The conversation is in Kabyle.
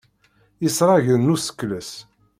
Isragen n usekles.